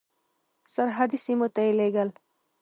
سرحدي سیمو ته یې لېږل.